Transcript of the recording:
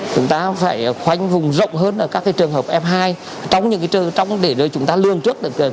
chúng ta phải khoanh vùng rộng hơn ở các trường hợp f hai để chúng ta lương trước